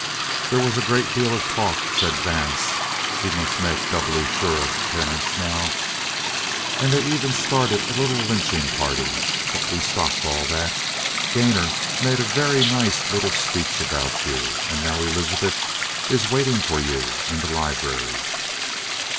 "There was a great deal of talk," said Vance he must make doubly sure of Terence now. "And they even started a little lynching party. But we stopped all that. Gainor made a very nice little speech about you. And now Elizabeth is waiting for you in the library."